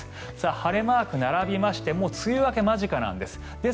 晴れマークが並びましてもう梅雨明け間近なんです。